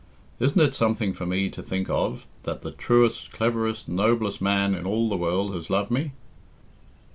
Isn't it something for me to think of, that the truest, cleverest, noblest man in all the world has loved me?...